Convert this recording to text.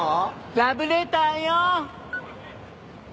ラブレターよ！